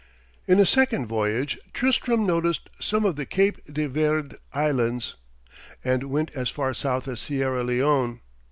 In a second voyage Tristram noticed some of the Cape de Verd Islands, and went as far south as Sierra Leone.